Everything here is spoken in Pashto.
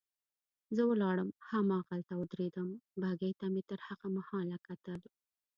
زه ولاړم هماغلته ودرېدم، بګۍ ته مې تر هغه مهاله کتل.